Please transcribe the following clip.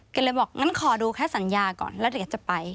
ก็เลยบอกงั้นขอดูแค่สัญญาก่อนแล้วเดี๋ยวจะไป